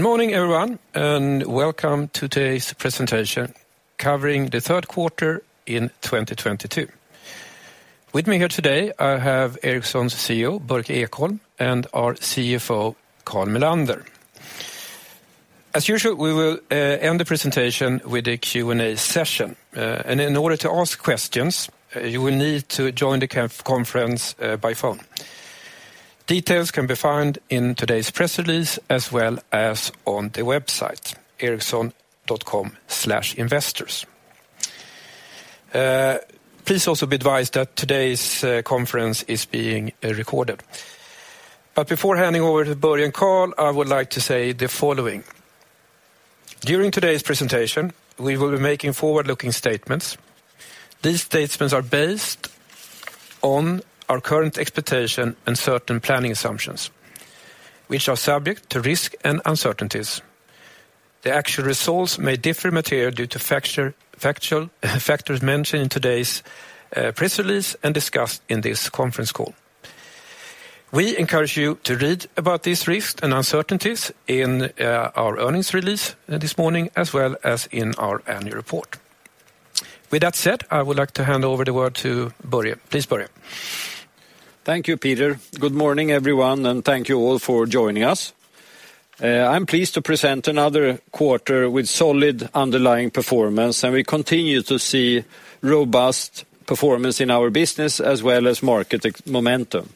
Good morning, everyone, and welcome to today's presentation covering the third quarter in 2022. With me here today, I have Ericsson's CEO, Börje Ekholm, and our CFO, Carl Mellander. As usual, we will end the presentation with a Q&A session. In order to ask questions, you will need to join the conference by phone. Details can be found in today's press release as well as on the website, ericsson.com/investors. Please also be advised that today's conference is being recorded. Before handing over to Börje and Carl, I would like to say the following. During today's presentation, we will be making forward-looking statements. These statements are based on our current expectation and certain planning assumptions, which are subject to risk and uncertainties. The actual results may differ materially due to factors mentioned in today's press release and discussed in this conference call. We encourage you to read about these risks and uncertainties in our earnings release this morning, as well as in our annual report. With that said, I would like to hand over to Börje. Please, Börje. Thank you, Peter. Good morning, everyone, and thank you all for joining us. I'm pleased to present another quarter with solid underlying performance, and we continue to see robust performance in our business as well as market momentum.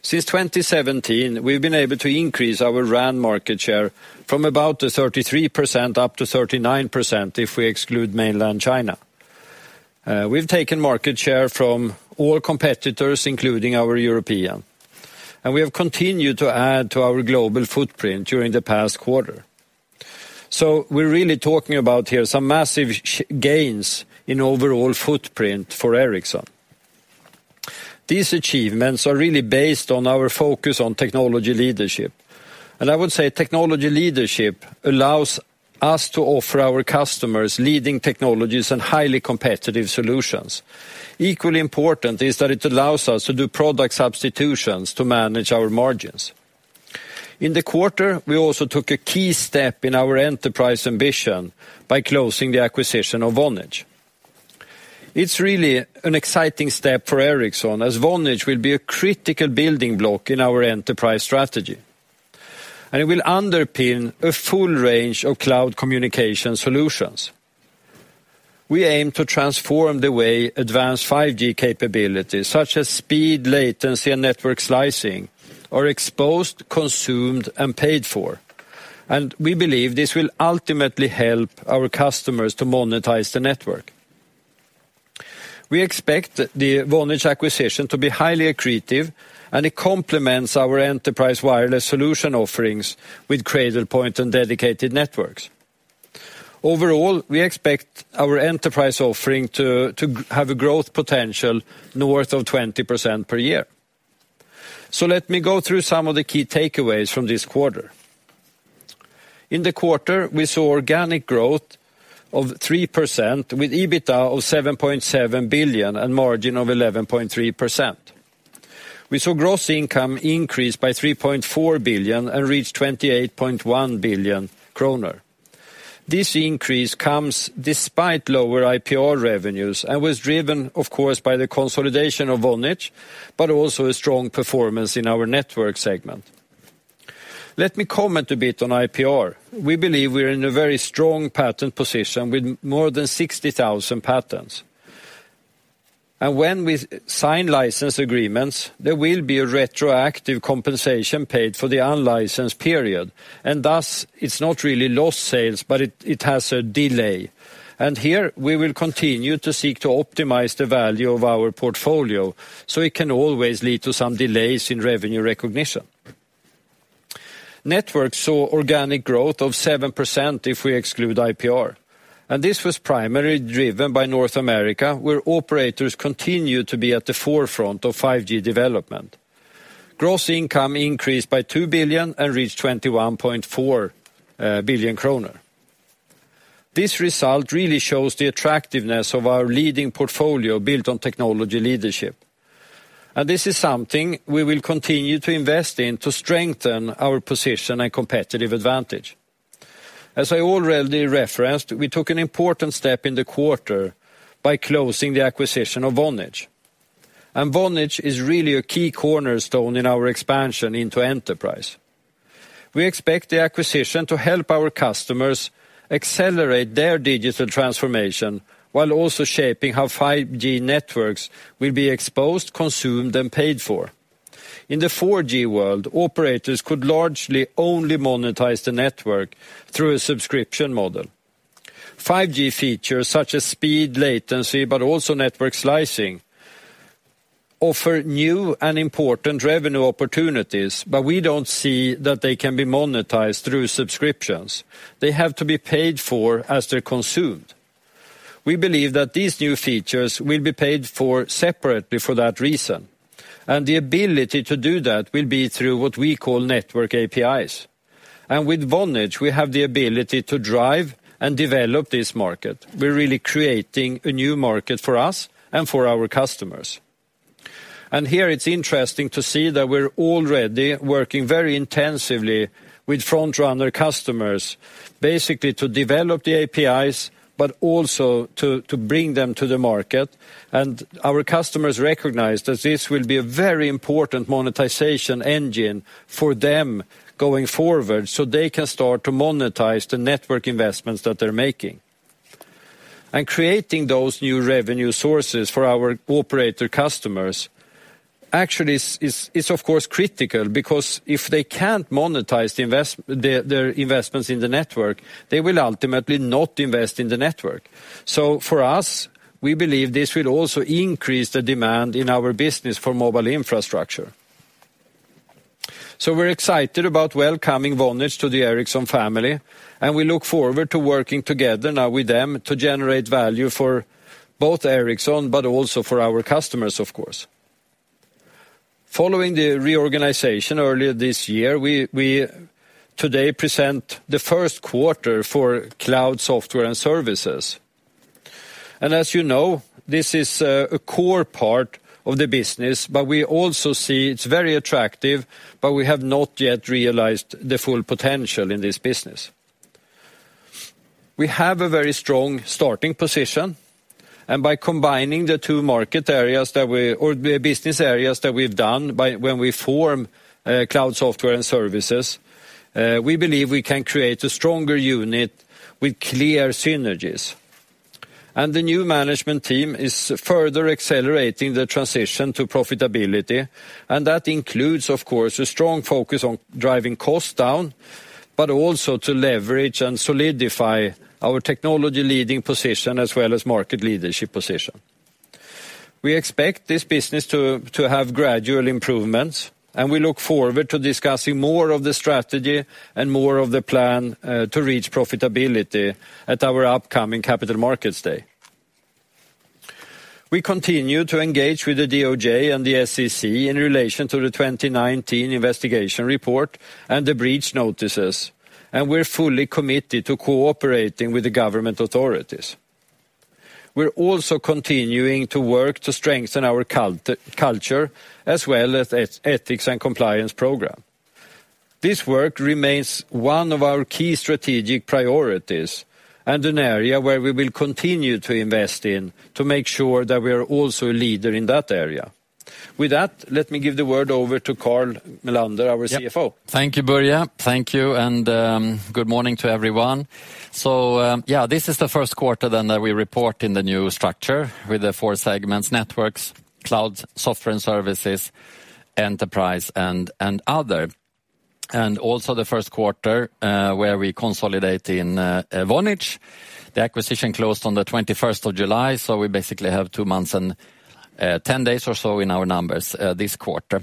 Since 2017, we've been able to increase our RAN market share from about 33% up to 39% if we exclude Mainland China. We've taken market share from all competitors, including our European, and we have continued to add to our global footprint during the past quarter. We're really talking about here some massive gains in overall footprint for Ericsson. These achievements are really based on our focus on technology leadership. I would say technology leadership allows us to offer our customers leading technologies and highly competitive solutions. Equally important is that it allows us to do product substitutions to manage our margins. In the quarter, we also took a key step in our enterprise ambition by closing the acquisition of Vonage. It's really an exciting step for Ericsson, as Vonage will be a critical building block in our enterprise strategy. It will underpin a full range of cloud communication solutions. We aim to transform the way advanced 5G capabilities, such as speed, latency, and network slicing, are exposed, consumed, and paid for. We believe this will ultimately help our customers to monetize the network. We expect the Vonage acquisition to be highly accretive, and it complements our enterprise wireless solution offerings with Cradlepoint and dedicated networks. Overall, we expect our enterprise offering to have a growth potential north of 20% per year. Let me go through some of the key takeaways from this quarter. In the quarter, we saw organic growth of 3% with EBITDA of 7.7 billion and margin of 11.3%. We saw gross income increase by 3.4 billion and reach 28.1 billion kronor. This increase comes despite lower IPR revenues and was driven, of course, by the consolidation of Vonage, but also a strong performance in our network segment. Let me comment a bit on IPR. We believe we're in a very strong patent position with more than 60,000 patents. When we sign license agreements, there will be a retroactive compensation paid for the unlicensed period, and thus it's not really lost sales, but it has a delay. Here we will continue to seek to optimize the value of our portfolio, so it can always lead to some delays in revenue recognition. Networks saw organic growth of 7% if we exclude IPR, and this was primarily driven by North America, where operators continue to be at the forefront of 5G development. Gross income increased by 2 billion and reached 21.4 billion kronor. This result really shows the attractiveness of our leading portfolio built on technology leadership. This is something we will continue to invest in to strengthen our position and competitive advantage. As I already referenced, we took an important step in the quarter by closing the acquisition of Vonage. Vonage is really a key cornerstone in our expansion into enterprise. We expect the acquisition to help our customers accelerate their digital transformation while also shaping how 5G networks will be exposed, consumed, and paid for. In the 4G world, operators could largely only monetize the network through a subscription model. 5G features such as speed, latency, but also network slicing offer new and important revenue opportunities, but we don't see that they can be monetized through subscriptions. They have to be paid for as they're consumed. We believe that these new features will be paid for separately for that reason. The ability to do that will be through what we call network APIs. With Vonage, we have the ability to drive and develop this market. We're really creating a new market for us and for our customers. Here it's interesting to see that we're already working very intensively with frontrunner customers, basically to develop the APIs, but also to bring them to the market. Our customers recognize that this will be a very important monetization engine for them going forward so they can start to monetize the network investments that they're making. Creating those new revenue sources for our operator customers actually is of course critical because if they can't monetize their investments in the network, they will ultimately not invest in the network. For us, we believe this will also increase the demand in our business for mobile infrastructure. We're excited about welcoming Vonage to the Ericsson family, and we look forward to working together now with them to generate value for both Ericsson but also for our customers, of course. Following the reorganization earlier this year, we today present the first quarter for Cloud Software and Services. As you know, this is a core part of the business, but we also see it's very attractive, but we have not yet realized the full potential in this business. We have a very strong starting position, and by combining the two business areas when we form Cloud Software and Services, we believe we can create a stronger unit with clear synergies. The new management team is further accelerating the transition to profitability, and that includes, of course, a strong focus on driving costs down, but also to leverage and solidify our technology leading position as well as market leadership position. We expect this business to have gradual improvements, and we look forward to discussing more of the strategy and more of the plan to reach profitability at our upcoming Capital Markets Day. We continue to engage with the DOJ and the SEC in relation to the 2019 investigation report and the breach notices, and we're fully committed to cooperating with the government authorities. We're also continuing to work to strengthen our culture as well as ethics and compliance program. This work remains one of our key strategic priorities and an area where we will continue to invest in to make sure that we are also a leader in that area. With that, let me give the word over to Carl Mellander, our CFO. Yeah. Thank you, Börje. Thank you, and good morning to everyone. This is the first quarter then that we report in the new structure with the four segments, Networks, Cloud Software and Services, Enterprise, and Other. This is the first quarter where we consolidate in Vonage. The acquisition closed on the twenty-first of July, so we basically have two months and ten days or so in our numbers this quarter.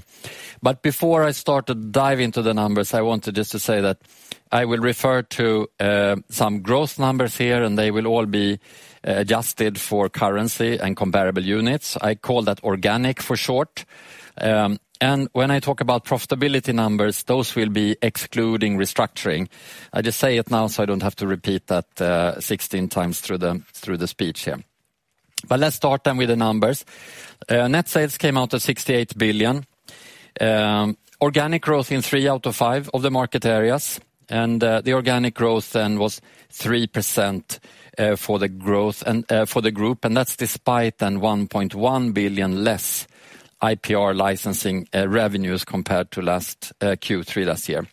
Before I start to dive into the numbers, I want to say that I will refer to some growth numbers here, and they will all be adjusted for currency and comparable units. I call that organic for short. When I talk about profitability numbers, those will be excluding restructuring. I just say it now, so I don't have to repeat that sixteen times through the speech here. Let's start then with the numbers. Net sales came out at 68 billion. Organic growth in three out of five of the market areas. The organic growth then was 3%, for the group, and that's despite one point one billion less IPR licensing revenues compared to Q3 last year.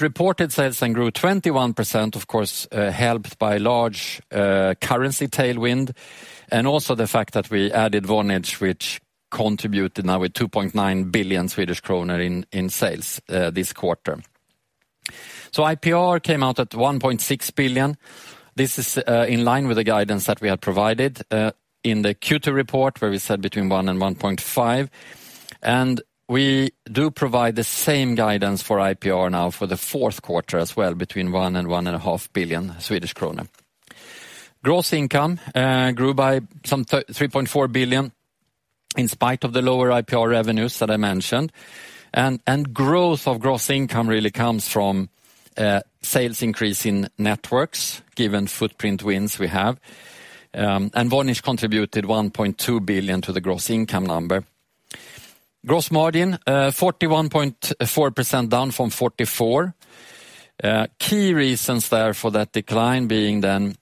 Reported sales then grew 21%, of course, helped by large currency tailwind, and also the fact that we added Vonage, which contributed now with 2.9 billion Swedish kroner in sales this quarter. IPR came out at 1.6 billion. This is in line with the guidance that we had provided in the Q2 report, where we said between one and 1.5. We do provide the same guidance for IPR now for the fourth quarter as well, between 1 billion Swedish kronor and SEK 1.5 billion. Gross income grew by some 3.4 billion in spite of the lower IPR revenues that I mentioned. Growth of gross income really comes from sales increase in Networks, given footprint wins we have. Vonage contributed 1.2 billion to the gross income number. Gross margin 41.4%, down from 44%. Key reasons there for that decline being, then,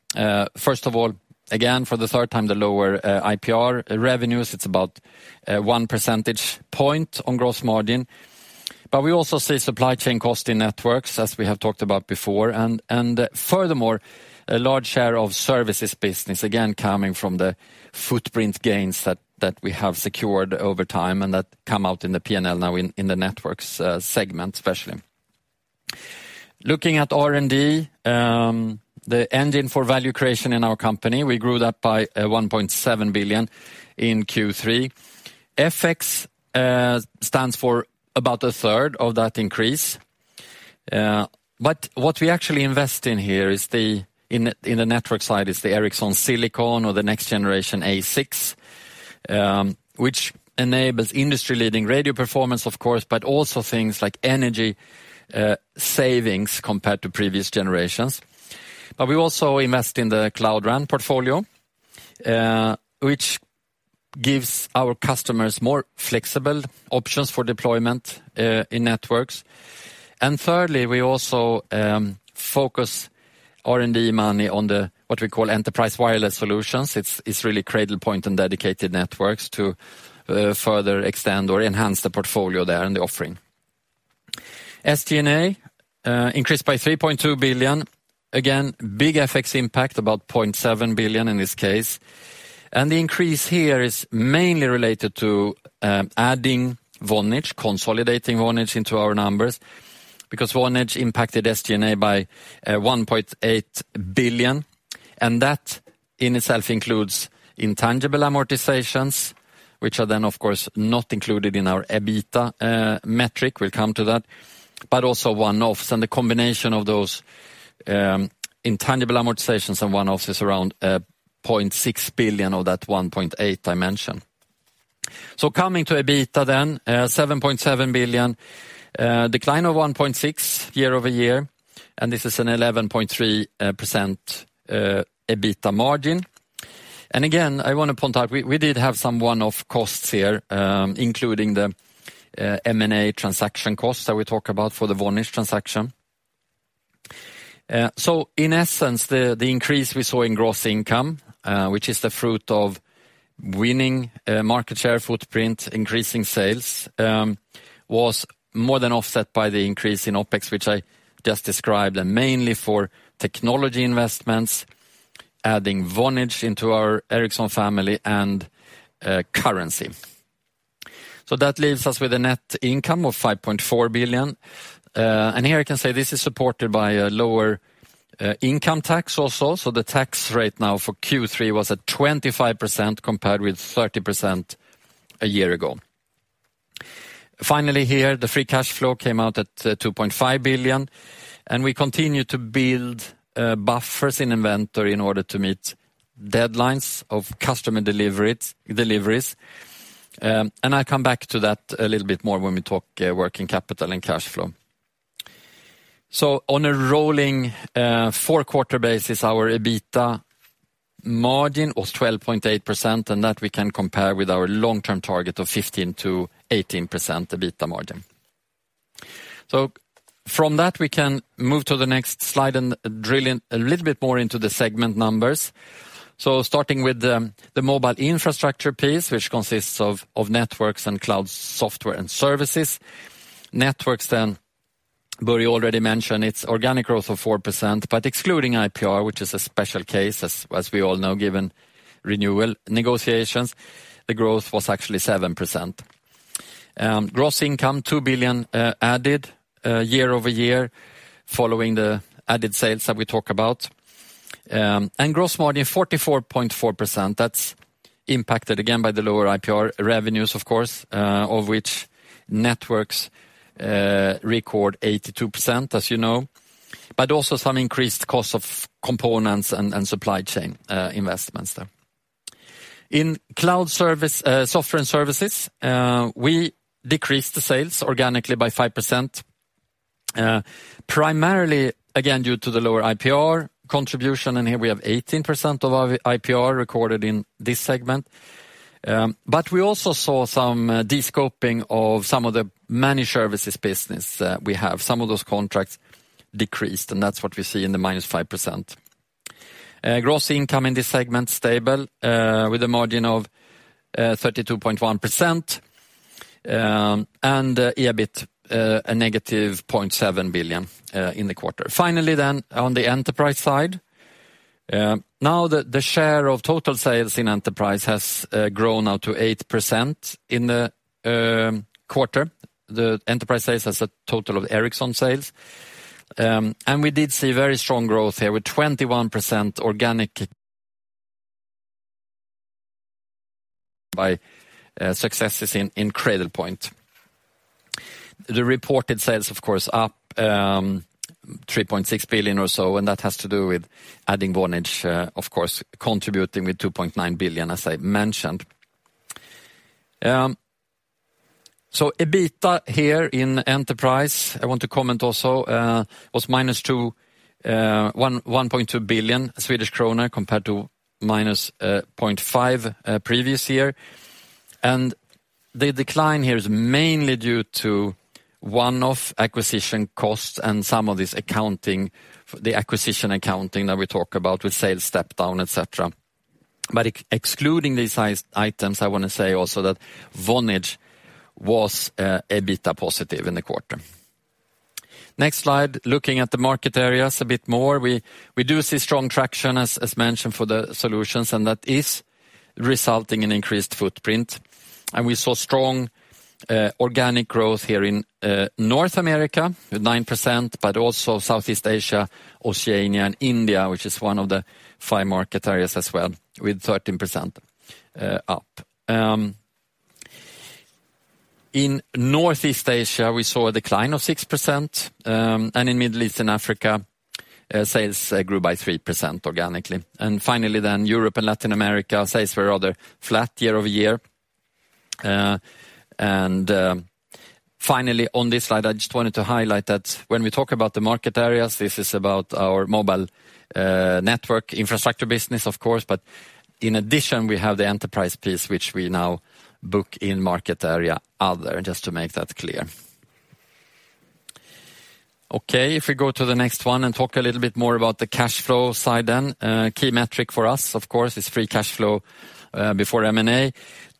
first of all, again, for the third time, the lower IPR revenues. It is about one percentage point on gross margin. We also see supply chain cost in networks, as we have talked about before. Furthermore, a large share of services business, again, coming from the footprint gains that we have secured over time and that come out in the P&L now in the Networks segment, especially. Looking at R&D, the engine for value creation in our company, we grew that by 1.7 billion in Q3. FX stands for about a third of that increase. What we actually invest in here is, in the network side, the Ericsson Silicon or the next generation ASIC, which enables industry-leading radio performance, of course, but also things like energy savings compared to previous generations. We also invest in the Cloud RAN portfolio, which gives our customers more flexible options for deployment in networks. Thirdly, we also focus R&D money on what we call Enterprise Wireless Solutions. It's really Cradlepoint and dedicated networks to further extend or enhance the portfolio there and the offering. SG&A increased by 3.2 billion. Again, big FX impact, about 0.7 billion in this case. The increase here is mainly related to adding Vonage, consolidating Vonage into our numbers. Because Vonage impacted SG&A by 1.8 billion, and that in itself includes intangible amortizations, which are then of course not included in our EBITDA metric, we'll come to that. Also one-offs and the combination of those intangible amortizations and one-offs is around 0.6 billion of that 1.8 I mentioned. Coming to EBITDA then, 7.7 billion, decline of 1.6 billion year-over-year, and this is an 11.3% EBITDA margin. Again, I wanna point out we did have some one-off costs here, including the M&A transaction costs that we talk about for the Vonage transaction. In essence, the increase we saw in gross income, which is the fruit of winning a market share footprint, increasing sales, was more than offset by the increase in OpEx, which I just described. Mainly for technology investments, adding Vonage into our Ericsson family and currency. That leaves us with a net income of 5.4 billion. Here I can say this is supported by a lower income tax also. The tax rate now for Q3 was at 25% compared with 30% a year ago. Finally here, the free cash flow came out at 2.5 billion, and we continue to build buffers in inventory in order to meet deadlines of customer deliveries. I come back to that a little bit more when we talk working capital and cash flow. On a rolling four-quarter basis, our EBITDA margin was 12.8%, and that we can compare with our long-term target of 15%-18% EBITDA margin. From that, we can move to the next slide and drill in a little bit more into the segment numbers. Starting with the mobile infrastructure piece, which consists of Networks and Cloud Software and Services. Networks. Börje already mentioned its organic growth of 4%, but excluding IPR, which is a special case as we all know, given renewal negotiations, the growth was actually 7%. Gross income 2 billion added year-over-year following the added sales that we talk about. Gross margin 44.4%. That's impacted again by the lower IPR revenues, of course, of which Networks record 82%, as you know, but also some increased cost of components and supply chain investments there. In Cloud Software and Services, we decreased the sales organically by 5%, primarily again due to the lower IPR contribution, and here we have 18% of our IPR recorded in this segment. We also saw some de-scoping of some of the managed services business that we have. Some of those contracts decreased, and that's what we see in the -5%. Gross income in this segment stable with a margin of 32.1%, and EBIT a -0.7 billion in the quarter. On the Enterprise side, now the share of total sales in Enterprise has grown now to 8% in the quarter. The Enterprise sales has a total of Ericsson sales. We did see very strong growth here with 21% organic by successes in Cradlepoint. The reported sales of course up 3.6 billion or so, and that has to do with adding Vonage of course contributing with 2.9 billion, as I mentioned. EBITDA here in Enterprise, I want to comment also, was -1.2 billion Swedish krona compared to -0.5 billion previous year. The decline here is mainly due to one-off acquisition costs and some of this accounting, the acquisition accounting that we talk about with sales step down, et cetera. Excluding these items, I wanna say also that Vonage was EBITDA positive in the quarter. Next slide, looking at the market areas a bit more. We do see strong traction as mentioned for the solutions, and that is resulting in increased footprint. We saw strong organic growth here in North America with 9%, but also Southeast Asia, Oceania and India, which is one of the five market areas as well with 13% up. In Northeast Asia, we saw a decline of 6%, and in Middle East and Africa, sales grew by 3% organically. Europe and Latin America, sales were rather flat year-over-year. Finally on this slide, I just wanted to highlight that when we talk about the market areas, this is about our mobile network infrastructure business, of course. In addition, we have the enterprise piece, which we now book in market area other, just to make that clear. Okay, if we go to the next one and talk a little bit more about the cash flow side then. Key metric for us, of course, is free cash flow before M&A.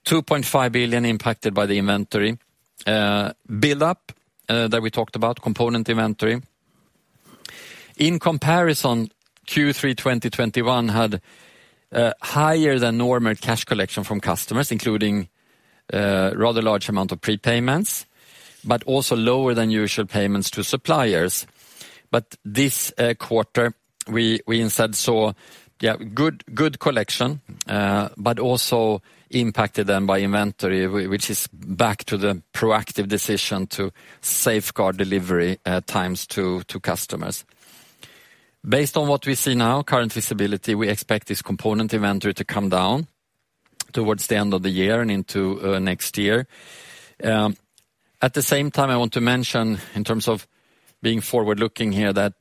2.5 billion impacted by the inventory build-up that we talked about, component inventory. In comparison, Q3 2021 had higher than normal cash collection from customers, including rather large amount of prepayments, but also lower than usual payments to suppliers. This quarter, we instead saw good collection, but also impacted then by inventory, which is back to the proactive decision to safeguard delivery times to customers. Based on what we see now, current visibility, we expect this component inventory to come down towards the end of the year and into next year. At the same time, I want to mention in terms of being forward-looking here that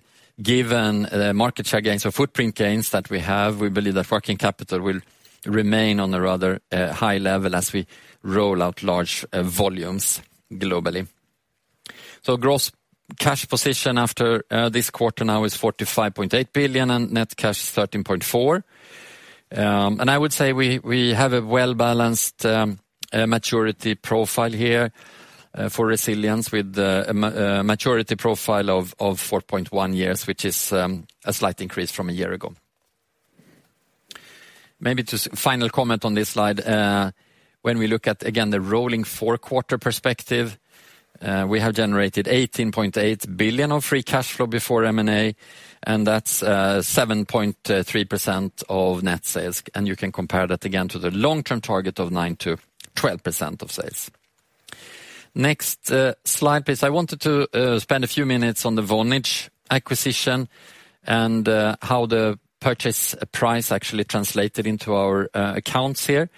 given the market share gains or footprint gains that we have, we believe that working capital will remain on a rather high level as we roll out large volumes globally. Gross cash position after this quarter now is 45.8 billion and net cash is 13.4 billion. I would say we have a well-balanced maturity profile here for resilience with the maturity profile of 4.1 years, which is a slight increase from a year ago. Maybe just final comment on this slide. When we look at again the rolling four quarter perspective, we have generated 18.8 billion of free cash flow before M&A, and that's 7.3% of net sales. You can compare that again to the long-term target of 9%-12% of sales. Next slide, please. I wanted to spend a few minutes on the Vonage acquisition and how the purchase price actually translated into our accounts here.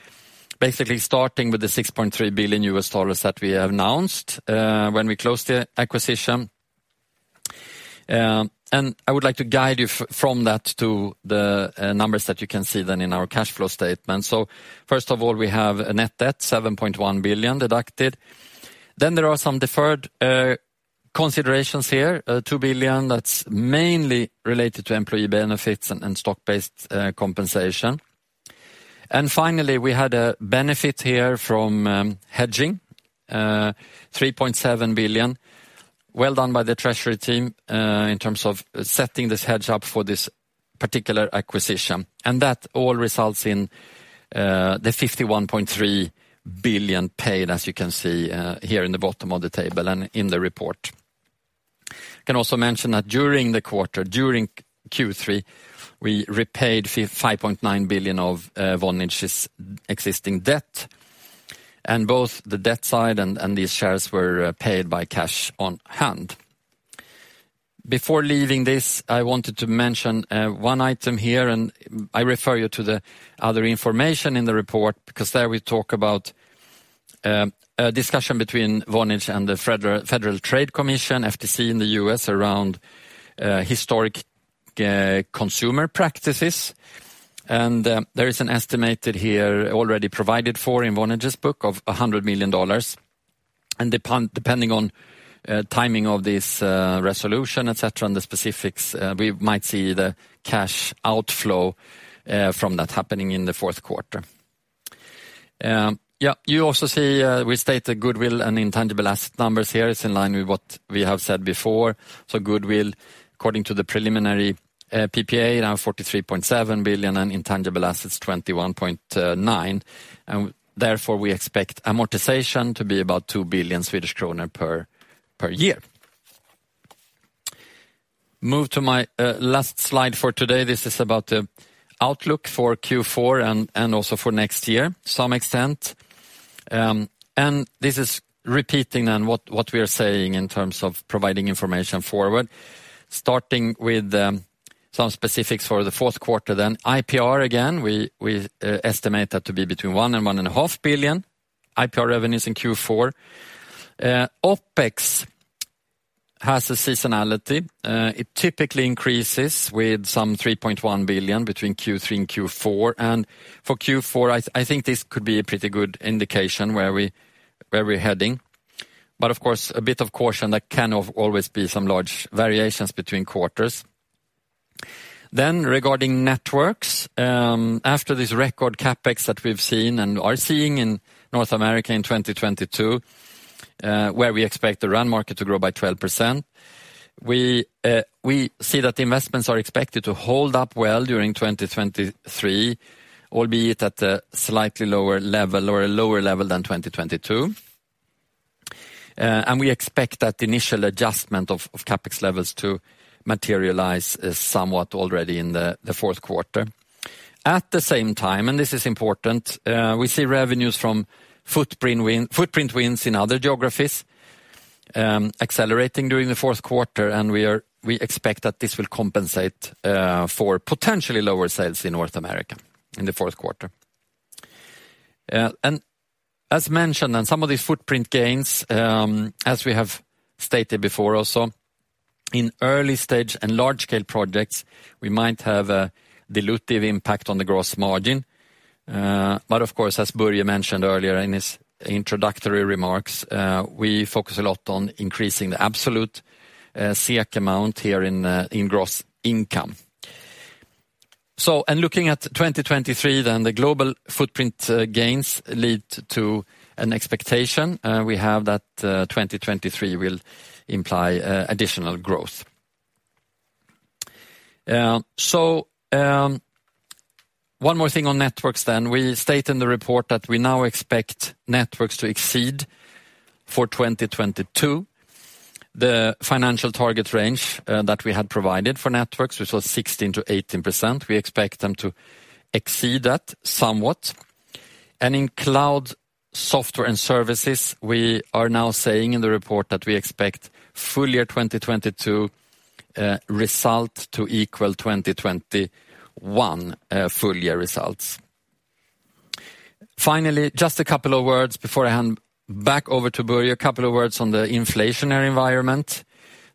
Starting with the $6.3 billion that we announced when we closed the acquisition. I would like to guide you from that to the numbers that you can see then in our cash flow statement. First of all, we have a net debt, $7.1 billion deducted. Then there are some deferred considerations here, $2 billion that's mainly related to employee benefits and stock-based compensation. Finally, we had a benefit here from hedging, $3.7 billion. Well done by the treasury team in terms of setting this hedge up for this particular acquisition. That all results in the $51.3 billion paid, as you can see here in the bottom of the table and in the report. Can also mention that during the quarter, during Q3, we repaid $5.9 billion of Vonage's existing debt. Both the debt side and these shares were paid by cash on hand. Before leaving this, I wanted to mention one item here, and I refer you to the other information in the report, because there we talk about a discussion between Vonage and the Federal Trade Commission, FTC in the U.S., around historic consumer practices. There is an estimated here already provided for in Vonage's book of $100 million. Depending on timing of this resolution, et cetera, and the specifics, we might see the cash outflow from that happening in the fourth quarter. Yeah, you also see we state the goodwill and intangible asset numbers here. It's in line with what we have said before. Goodwill, according to the preliminary PPA, now 43.7 billion and intangible assets, 21.9. Therefore, we expect amortization to be about 2 billion Swedish kronor per year. Move to my last slide for today. This is about the outlook for Q4 and also for next year, to some extent. This is reiterating what we are saying in terms of providing information forward. Starting with some specifics for the fourth quarter. IPR again, we estimate that to be between 1 billion and 1.5 billion IPR revenues in Q4. OpEx has a seasonality. It typically increases with some 3.1 billion between Q3 and Q4. For Q4, I think this could be a pretty good indication where we're heading. Of course, a bit of caution, there can always be some large variations between quarters. Regarding networks, after this record CapEx that we've seen and are seeing in North America in 2022, where we expect the RAN market to grow by 12%, we see that the investments are expected to hold up well during 2023, albeit at a slightly lower level or a lower level than 2022. We expect that initial adjustment of CapEx levels to materialize somewhat already in the fourth quarter. At the same time, this is important, we see revenues from footprint wins in other geographies, accelerating during the fourth quarter, and we expect that this will compensate for potentially lower sales in North America in the fourth quarter. As mentioned on some of these footprint gains, as we have stated before also, in early stage and large scale projects, we might have a dilutive impact on the gross margin. Of course, as Börje mentioned earlier in his introductory remarks, we focus a lot on increasing the absolute SEK amount here in gross income. Looking at 2023, the global footprint gains lead to an expectation. We have that 2023 will imply additional growth. One more thing on networks then. We state in the report that we now expect Networks to exceed for 2022 the financial target range that we had provided for Networks, which was 16%-18%. We expect them to exceed that somewhat. In Cloud Software and Services, we are now saying in the report that we expect full year 2022 result to equal 2021 full year results. Finally, just a couple of words before I hand back over to Börje. A couple of words on the inflationary environment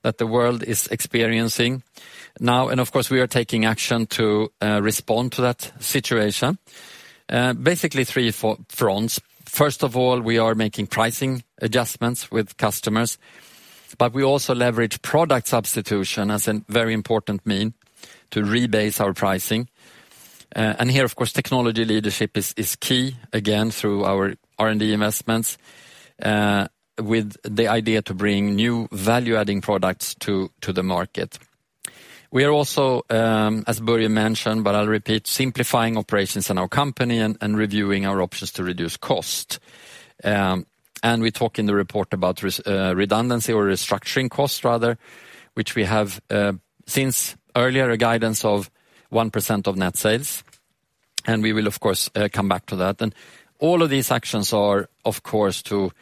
that the world is experiencing now, and of course, we are taking action to respond to that situation. Basically three fronts. First of all, we are making pricing adjustments with customers, but we also leverage product substitution as a very important means to rebase our pricing. Here, of course, technology leadership is key, again, through our R&D investments, with the idea to bring new value-adding products to the market. We are also, as Börje mentioned, but I'll repeat, simplifying operations in our company and reviewing our options to reduce cost. We talk in the report about redundancy or restructuring costs rather, which we have since earlier a guidance of 1% of net sales, and we will of course come back to that. All of these actions are, of course, to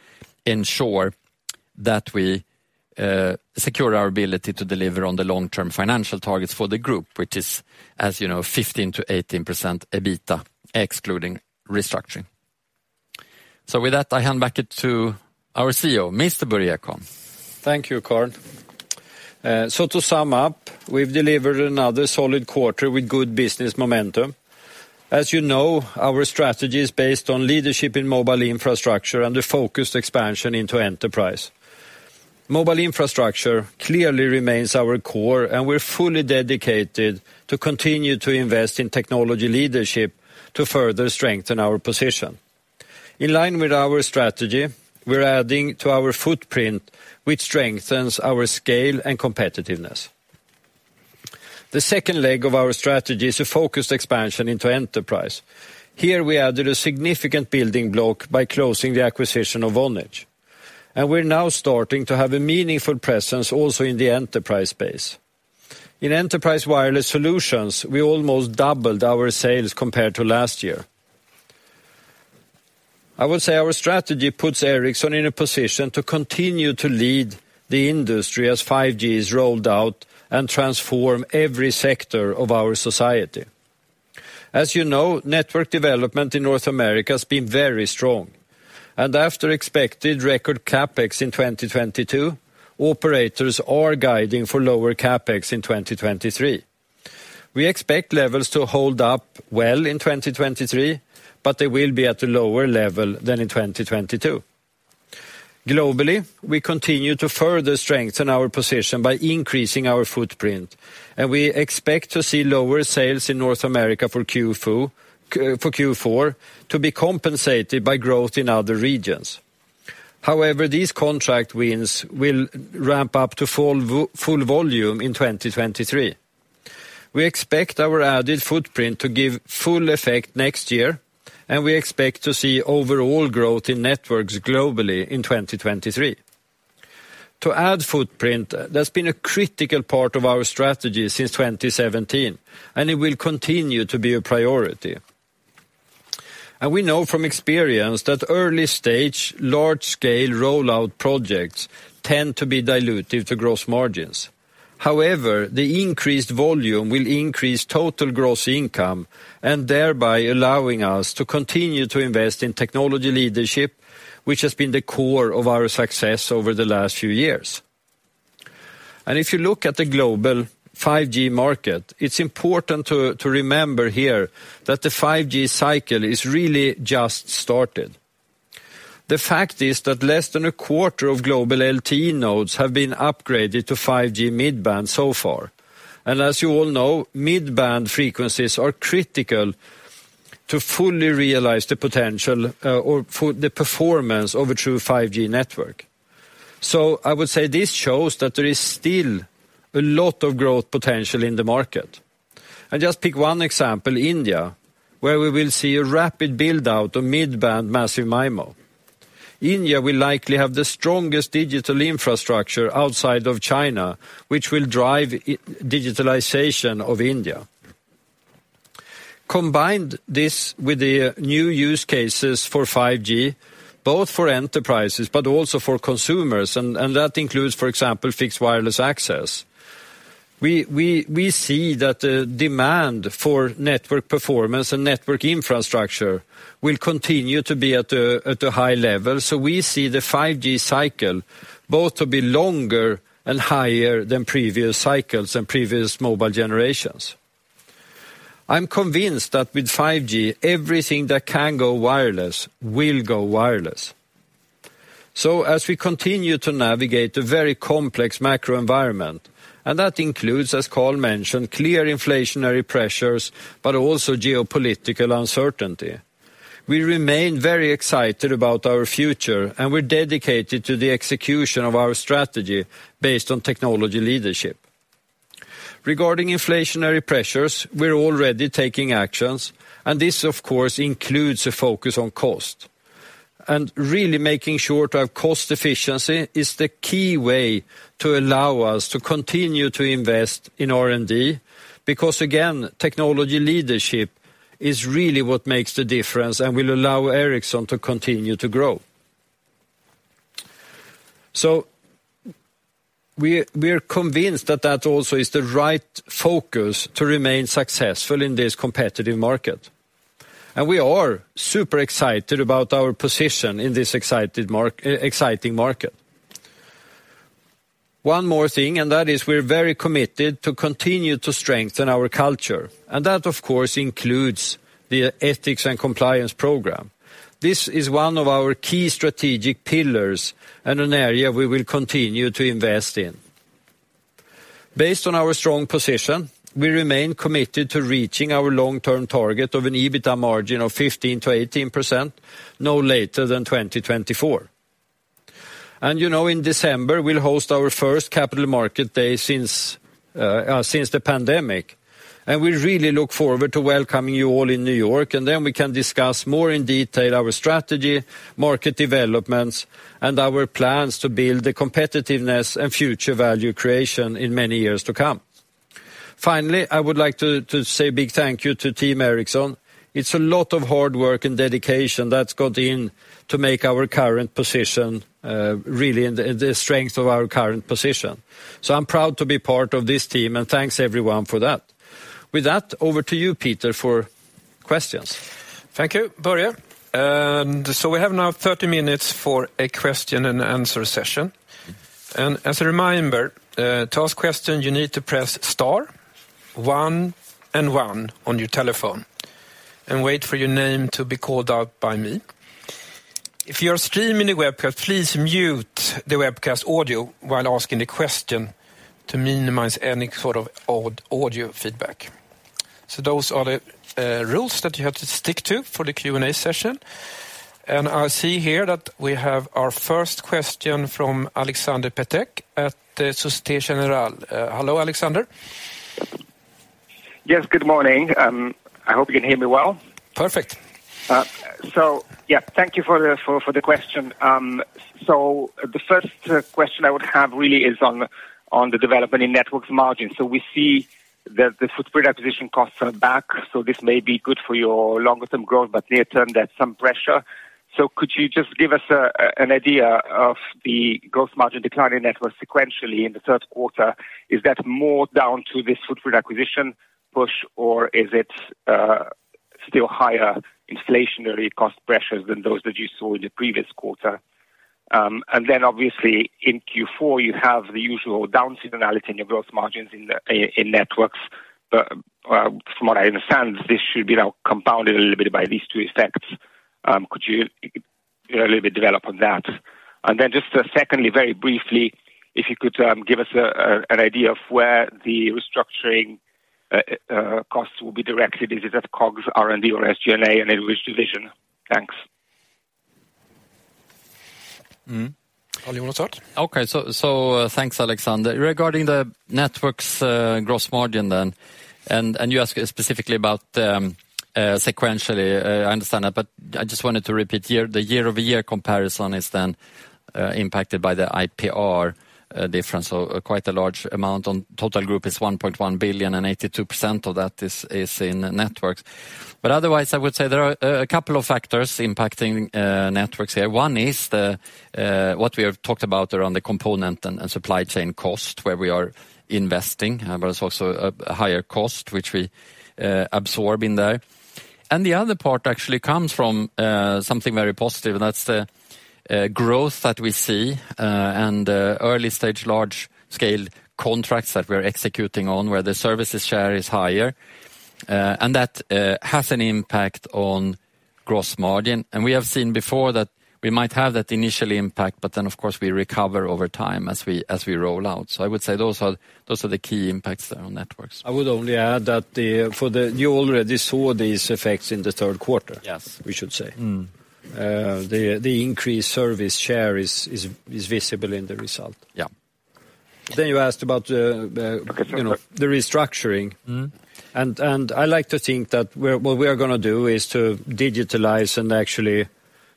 ensure that we secure our ability to deliver on the long-term financial targets for the group, which is, as you know, 15%-18% EBITDA, excluding restructuring. With that, I hand back it to our CEO, Mr. Börje Ekholm. Thank you, Carl. To sum up, we've delivered another solid quarter with good business momentum. As you know, our strategy is based on leadership in mobile infrastructure and the focused expansion into Enterprise. Mobile infrastructure clearly remains our core, and we're fully dedicated to continue to invest in technology leadership to further strengthen our position. In line with our strategy, we're adding to our footprint, which strengthens our scale and competitiveness. The second leg of our strategy is a focused expansion into Enterprise. Here, we added a significant building block by closing the acquisition of Vonage, and we're now starting to have a meaningful presence also in the enterprise space. In Enterprise Wireless Solutions, we almost doubled our sales compared to last year. I would say our strategy puts Ericsson in a position to continue to lead the industry as 5G is rolled out and transform every sector of our society. As you know, network development in North America has been very strong, and after expected record CapEx in 2022, operators are guiding for lower CapEx in 2023. We expect levels to hold up well in 2023, but they will be at a lower level than in 2022. Globally, we continue to further strengthen our position by increasing our footprint, and we expect to see lower sales in North America for Q4 to be compensated by growth in other regions. However, these contract wins will ramp up to full volume in 2023. We expect our added footprint to give full effect next year, and we expect to see overall growth in networks globally in 2023. To add footprint, that's been a critical part of our strategy since 2017, and it will continue to be a priority. We know from experience that early stage, large scale rollout projects tend to be dilutive to gross margins. However, the increased volume will increase total gross income and thereby allowing us to continue to invest in technology leadership, which has been the core of our success over the last few years. If you look at the global 5G market, it's important to remember here that the 5G cycle is really just started. The fact is that less than a quarter of global LTE nodes have been upgraded to 5G mid-band so far. As you all know, mid-band frequencies are critical to fully realize the potential, or for the performance of a true 5G network. I would say this shows that there is still a lot of growth potential in the market. I just pick one example, India, where we will see a rapid build-out of mid-band massive MIMO. India will likely have the strongest digital infrastructure outside of China, which will drive digitalization of India. Combined this with the new use cases for 5G, both for enterprises but also for consumers, and that includes, for example, fixed wireless access. We see that demand for network performance and network infrastructure will continue to be at a high level. We see the 5G cycle both to be longer and higher than previous cycles and previous mobile generations. I'm convinced that with 5G, everything that can go wireless will go wireless. As we continue to navigate the very complex macro environment, and that includes, as Carl mentioned, clear inflationary pressures, but also geopolitical uncertainty. We remain very excited about our future, and we're dedicated to the execution of our strategy based on technology leadership. Regarding inflationary pressures, we're already taking actions, and this, of course, includes a focus on cost. Really making sure to have cost efficiency is the key way to allow us to continue to invest in R&D. Because again, technology leadership is really what makes the difference and will allow Ericsson to continue to grow. We're convinced that that also is the right focus to remain successful in this competitive market. We are super excited about our position in this exciting market. One more thing, and that is we're very committed to continue to strengthen our culture. That, of course, includes the Ethics and Compliance program. This is one of our key strategic pillars and an area we will continue to invest in. Based on our strong position, we remain committed to reaching our long-term target of an EBITDA margin of 15%-18% no later than 2024. You know, in December, we'll host our first Capital Markets Day since the pandemic. We really look forward to welcoming you all in New York, and then we can discuss more in detail our strategy, market developments, and our plans to build the competitiveness and future value creation in many years to come. Finally, I would like to say a big thank you to Team Ericsson. It's a lot of hard work and dedication that's gone into making our current position, really, and the strength of our current position. I'm proud to be part of this team, and thanks, everyone, for that. With that, over to you, Peter, for questions. Thank you, Börje. We have now 30 minutes for a question and answer session. As a reminder, to ask question, you need to press star one and one on your telephone and wait for your name to be called out by me. If you're streaming the webcast, please mute the webcast audio while asking the question to minimize any sort of odd audio feedback. Those are the rules that you have to stick to for the Q&A session. I see here that we have our first question from Alexander Peterc at Société Générale. Hello, Alexander. Yes, good morning. I hope you can hear me well. Perfect. Yeah, thank you for the question. The first question I would have really is on the development in Networks margin. We see that the software acquisition costs are back, so this may be good for your longer term growth, but near term, there's some pressure. Could you just give us an idea of the gross margin decline in Networks sequentially in the third quarter? Is that more down to this software acquisition push, or is it still higher inflationary cost pressures than those that you saw in the previous quarter? And then obviously in Q4, you have the usual down seasonality in your gross margins in Networks. From what I understand, this should be now compounded a little bit by these two effects. Could you know, a little bit develop on that? Then just, secondly, very briefly, if you could, give us an idea of where the restructuring costs will be directed. Is it at COGS, R&D or SG&A, and in which division? Thanks. Mm. Want to start? Okay. Thanks, Alexander. Regarding the Networks gross margin then, and you ask specifically about sequentially. I understand that, but I just wanted to repeat here. The year-over-year comparison is then impacted by the IPR difference. Quite a large amount on total group is 1.1 billion, and 82% of that is in Networks. Otherwise, I would say there are a couple of factors impacting Networks here. One is the what we have talked about around the component and supply chain cost, where we are investing. It's also a higher cost, which we absorb in there. The other part actually comes from something very positive, and that's the growth that we see and early stage, large scale contracts that we're executing on, where the services share is higher. That has an impact on gross margin. We have seen before that we might have that initial impact, but then of course, we recover over time as we roll out. I would say those are the key impacts there on Networks. I would only add that you already saw these effects in the third quarter. Yes. We should say. Mm. The increased service share is visible in the result. Yeah. You asked about the Okay. You know, the restructuring. Mm. I like to think that what we are gonna do is to digitalize and actually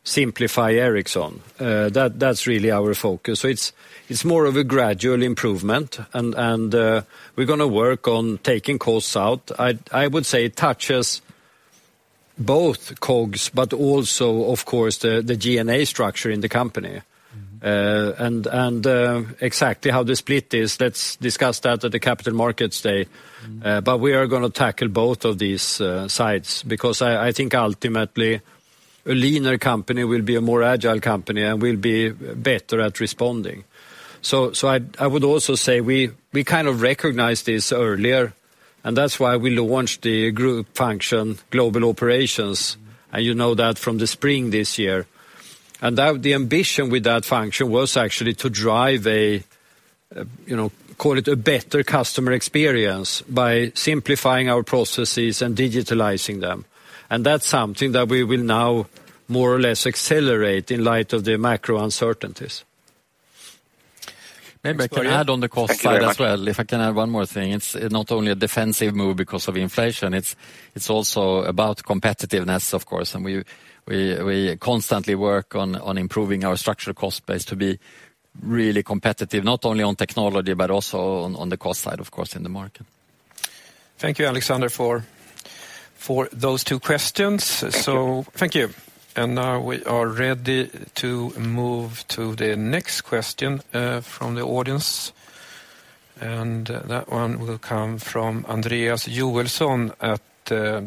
simplify Ericsson. That's really our focus. It's more of a gradual improvement and we're gonna work on taking costs out. I would say it touches both COGS but also of course the G&A structure in the company. Mm-hmm. Exactly how the split is, let's discuss that at the Capital Markets Day. Mm-hmm. We are gonna tackle both of these sides because I think ultimately a leaner company will be a more agile company and will be better at responding. I would also say we kind of recognized this earlier, and that's why we launched the group function Global Operations, and you know that from the spring this year. The ambition with that function was actually to drive, you know, call it a better customer experience by simplifying our processes and digitizing them, and that's something that we will now more or less accelerate in light of the macro uncertainties. Maybe I can add on the cost side as well. Thank you. If I can add one more thing. It's not only a defensive move because of inflation, it's also about competitiveness, of course, and we constantly work on improving our structural cost base to be really competitive, not only on technology but also on the cost side, of course, in the market. Thank you, Alexander Peterc, for those two questions. Thank you. Now we are ready to move to the next question from the audience, and that one will come from Andreas Joelsson at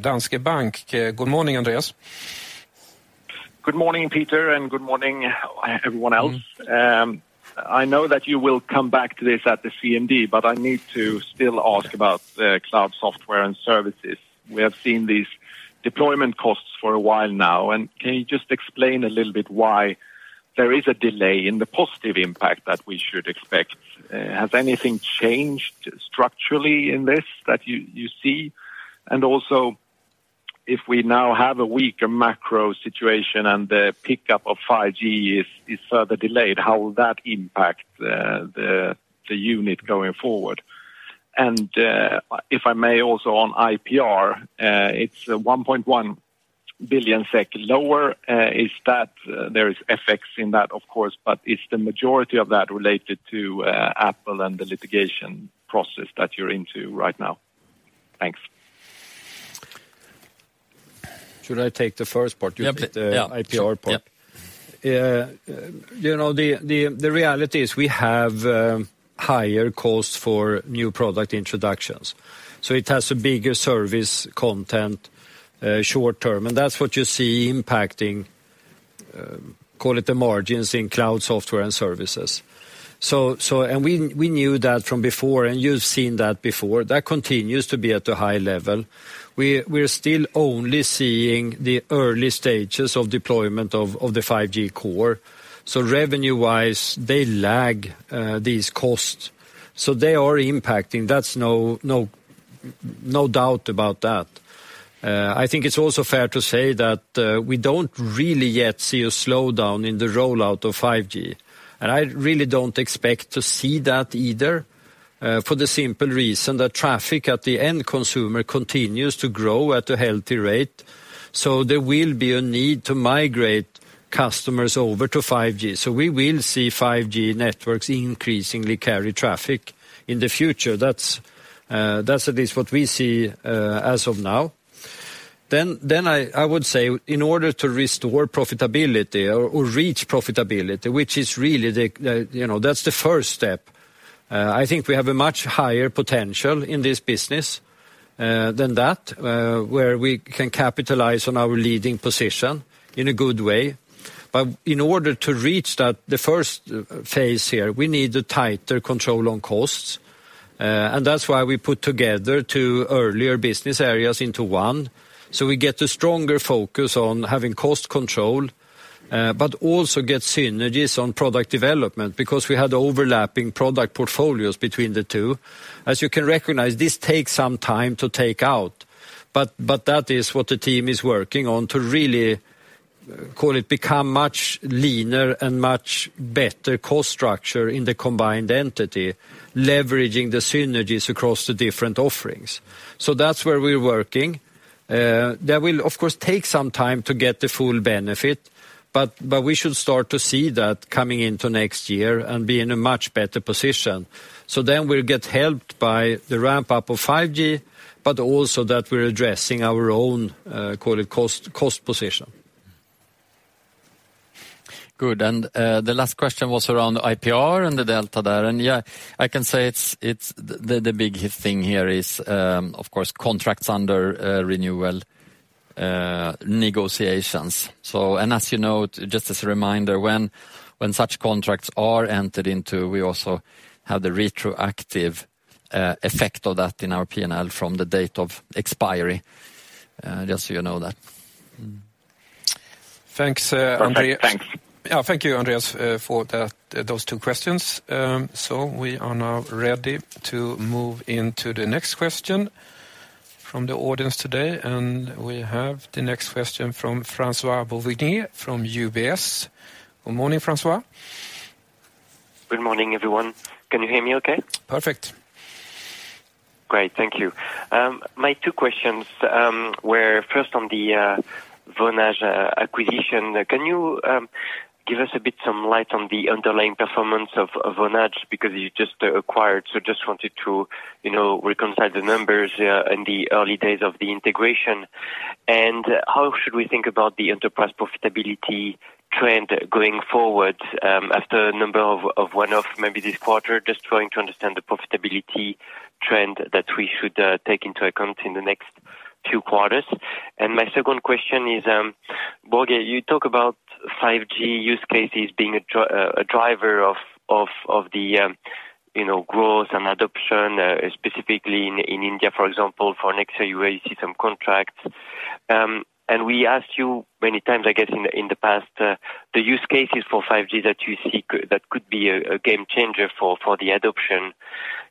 Danske Bank. Good morning, Andreas. Good morning, Peter, and good morning everyone else. I know that you will come back to this at the CMD, but I need to still ask about the Cloud Software and Services. We have seen these deployment costs for a while now, and can you just explain a little bit why there is a delay in the positive impact that we should expect? Has anything changed structurally in this that you see? Also, if we now have a weaker macro situation and the pickup of 5G is further delayed, how will that impact the unit going forward? If I may also on IPR, it's 1.1 billion SEK lower. There is FX in that, of course, but is the majority of that related to Apple and the litigation process that you're into right now? Thanks. Should I take the first part? Yeah, please. You take the IPR part. Yeah, sure. Yeah. You know, the reality is we have higher costs for new product introductions, so it has a bigger service content, short term, and that's what you see impacting, call it the margins in Cloud Software and Services. And we knew that from before, and you've seen that before. That continues to be at a high level. We're still only seeing the early stages of deployment of the 5G Core, so revenue-wise, they lag these costs. They are impacting. That's no doubt about that. I think it's also fair to say that we don't really yet see a slowdown in the rollout of 5G, and I really don't expect to see that either, for the simple reason that traffic at the end consumer continues to grow at a healthy rate. There will be a need to migrate customers over to 5G. We will see 5G networks increasingly carry traffic in the future. That's at least what we see as of now. I would say in order to restore profitability or reach profitability, which is really the you know, that's the first step, I think we have a much higher potential in this business than that, where we can capitalize on our leading position in a good way. In order to reach that, the first phase here, we need a tighter control on costs, and that's why we put together two earlier business areas into one, so we get a stronger focus on having cost control, but also get synergies on product development because we had overlapping product portfolios between the two. As you can recognize, this takes some time to take out. That is what the team is working on to really, call it, become much leaner and much better cost structure in the combined entity, leveraging the synergies across the different offerings. That's where we're working. That will of course take some time to get the full benefit, but we should start to see that coming into next year and be in a much better position. We'll get helped by the ramp-up of 5G, but also that we're addressing our own, call it cost position. Good. The last question was around IPR and the delta there. Yeah, I can say it's the big thing here is, of course, contracts under renewal negotiations. As you know, just as a reminder, when such contracts are entered into, we also have the retroactive effect of that in our P&L from the date of expiry, just so you know that. Thanks, Andreas. Perfect. Thanks. Yeah. Thank you, Andreas, for that, those two questions. We are now ready to move into the next question from the audience today, and we have the next question from Francois-Xavier Bouvignies from UBS. Good morning, Francois. Good morning, everyone. Can you hear me okay? Perfect. Great. Thank you. My two questions were first on the Vonage acquisition. Can you give us some light on the underlying performance of Vonage because you just acquired, so just wanted to, you know, reconcile the numbers in the early days of the integration. How should we think about the enterprise profitability trend going forward after a number of one-off maybe this quarter, just trying to understand the profitability trend that we should take into account in the next two quarters. My second question is, Börje, you talk about 5G use cases being a driver of the you know, growth and adoption specifically in India, for example, for next year where you see some contracts. We asked you many times, I guess, in the past, the use cases for 5G that you seek that could be a game changer for the adoption.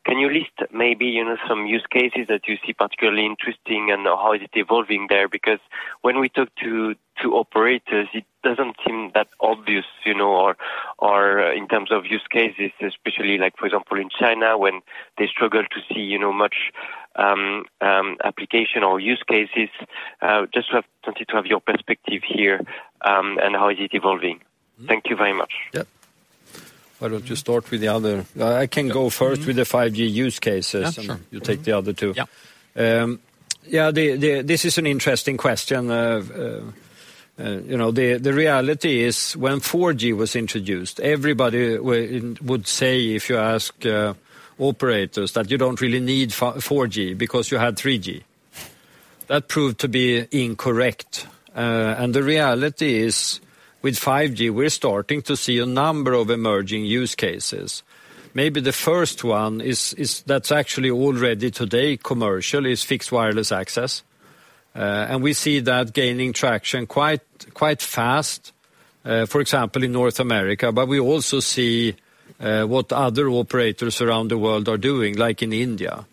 Can you list maybe, you know, some use cases that you see particularly interesting and how is it evolving there? Because when we talk to operators, it doesn't seem that obvious, you know, or in terms of use cases, especially like for example in China when they struggle to see, you know, much application or use cases. Wanted to have your perspective here, and how is it evolving. Thank you very much. Yeah. Why don't you start with the other? I can go first with the 5G use cases. Sure. you take the other two. Yeah. Yeah. This is an interesting question. You know, the reality is when 4G was introduced, everybody would say if you ask operators that you don't really need 4G because you had 3G. That proved to be incorrect. The reality is with 5G we're starting to see a number of emerging use cases. Maybe the first one is that's actually already today commercial Fixed Wireless Access. We see that gaining traction quite fast, for example in North America. We also see what other operators around the world are doing like in India.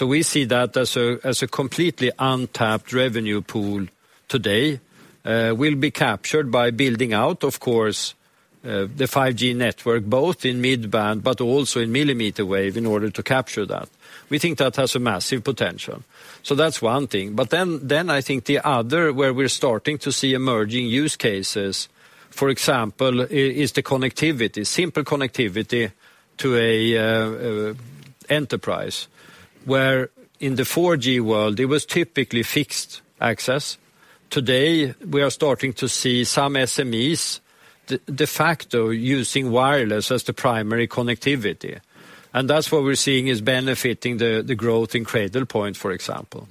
We see that as a completely untapped revenue pool today will be captured by building out of course the 5G network, both in mid-band but also in millimeter wave in order to capture that. We think that has a massive potential. That's one thing. Then I think the other where we're starting to see emerging use cases, for example, is the connectivity. Simple connectivity to an enterprise. In the 4G world it was typically fixed access. Today we are starting to see some SMEs de facto using wireless as the primary connectivity. That's what we're seeing is benefiting the growth in Cradlepoint, for example.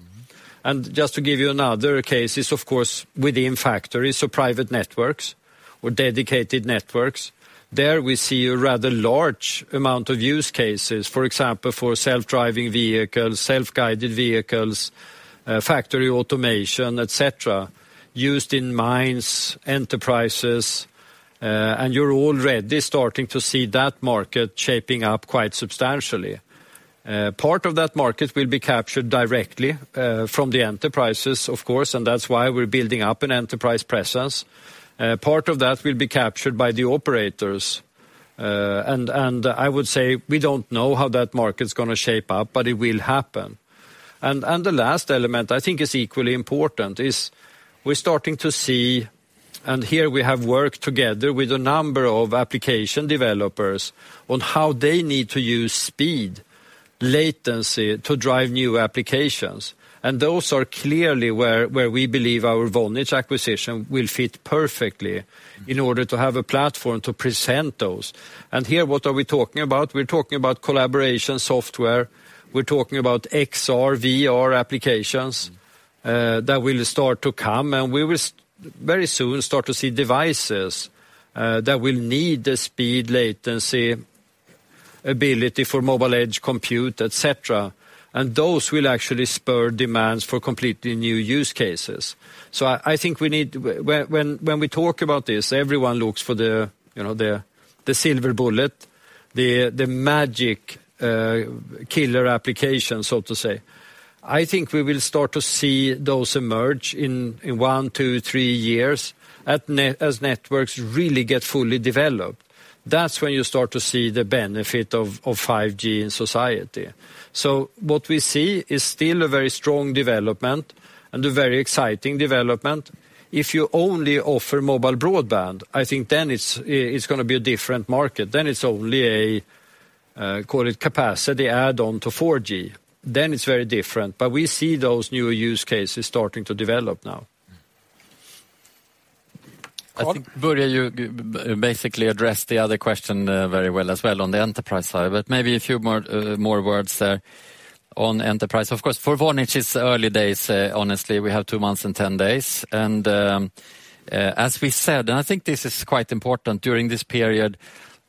Just to give you another cases of course within factories, private networks or dedicated networks. There we see a rather large amount of use cases, for example, for self-driving vehicles, self-guided vehicles, factory automation, et cetera, used in mines, enterprises. You're already starting to see that market shaping up quite substantially. Part of that market will be captured directly from the enterprises of course, and that's why we're building up an enterprise presence. Part of that will be captured by the operators. I would say we don't know how that market's gonna shape up, but it will happen. The last element I think is equally important, is we're starting to see and here we have worked together with a number of application developers on how they need to use speed latency to drive new applications. Those are clearly where we believe our Vonage acquisition will fit perfectly in order to have a platform to present those. Here what are we talking about? We're talking about collaboration software, we're talking about XR, VR applications that will start to come and we will very soon start to see devices that will need the speed latency ability for Mobile Edge Computing, et cetera. Those will actually spur demands for completely new use cases. I think when we talk about this, everyone looks for the, you know, the silver bullet, the magic killer application, so to say. I think we will start to see those emerge in one, two, three years as networks really get fully developed. That's when you start to see the benefit of 5G in society. What we see is still a very strong development and a very exciting development. If you only offer mobile broadband, I think then it's gonna be a different market. It's only a call it capacity add-on to 4G. It's very different. We see those new use cases starting to develop now. I think, Börje, you basically addressed the other question very well as well on the enterprise side, but maybe a few more words there on enterprise. Of course, for Vonage it's early days, honestly. We have two months and 10 days. As we said, and I think this is quite important during this period,